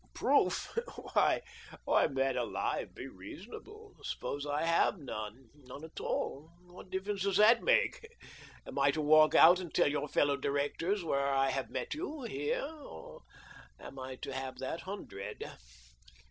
" Proof ? Why, man alive, be reasonable ! Suppose I have none — nc^ e at all ? What difference does that mal "^? Am I to walk out and tell your fellow directors where I have met you — here — or am I to have thaj hur dred